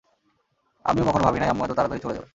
আমিও কখনো ভাবি নাই, আম্মু এতো তাড়াতাড়ি চলে যাবে।